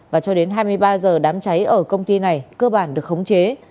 và cho đến hai mươi ba h đám cháy ở công ty này cơ bản được khống chế